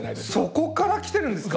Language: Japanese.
そこからきてるんですか？